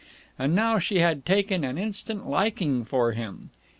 And now she had taken an instant liking for him.